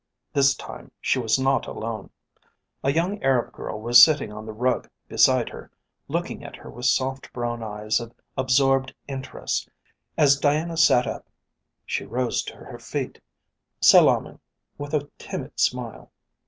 This time she was not alone. A young Arab girl was sitting on the rug beside her looking at her with soft brown eyes of absorbed interest As Diana sat up she rose to her feet, salaaming, with a timid smile.